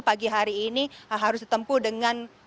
pagi hari ini harus ditempuh dengan